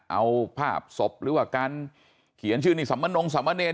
เอาภาพศพหรือว่าการเขียนชื่อนี่สัมมนงสมเนร